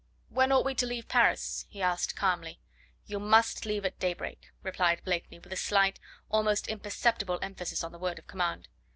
"When ought we to leave Paris?" he asked calmly. "You MUST leave at daybreak," replied Blakeney with a slight, almost imperceptible emphasis on the word of command.